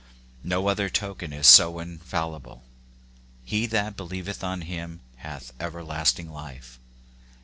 No other token is so infallible :" He that believeth on him hath everlasting life."